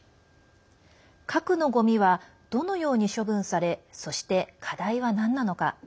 核のごみはどのように処分されそして、課題はなんなのか。